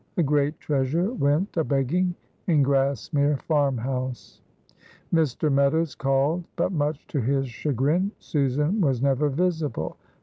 A great treasure went a begging in Grassmere farmhouse. Mr. Meadows called, but much to his chagrin Susan was never visible.